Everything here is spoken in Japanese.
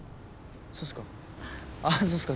あぁそうっすか。